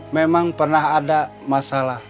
memang pernah ada masalah